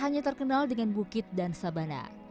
hanya terkenal dengan bukit dan sabana